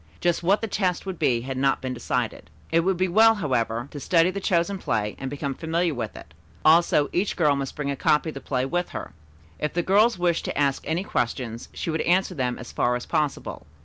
Just what the test would be had not been decided. It would be well, however, to study the chosen play and become familiar with it; also each girl must bring a copy of the play with her. If the girls wished to ask any questions, she would answer them as far as possible.